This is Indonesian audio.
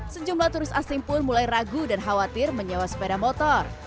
sejumlah turis asing pun mulai ragu dan khawatir menyewa sepeda motor